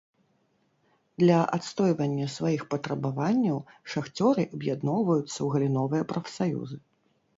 Для адстойвання сваіх патрабаванняў шахцёры аб'ядноўваюцца ў галіновыя прафсаюзы.